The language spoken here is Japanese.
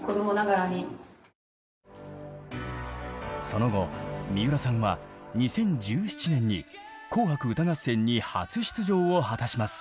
その後三浦さんは２０１７年に「紅白歌合戦」に初出場を果たします。